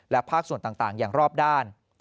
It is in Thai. ภาคส่วนต่างอย่างรอบด้าน